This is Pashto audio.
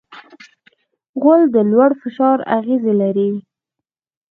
غول د لوړ فشار اغېز لري.